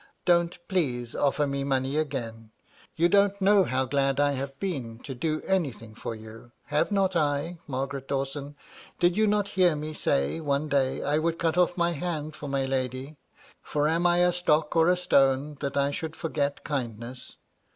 Don't, please, offer me money agaia You don't know how glad I have been to do anything for you. Have not I, Mar garet Dawson ? Did you not hear me say, one day, I would cut off my hand for my lady ; for am I a stock or a stone, that I should forget kindness